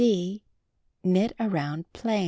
(D) Knit around plain.